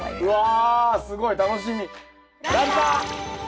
うわすごい楽しみ。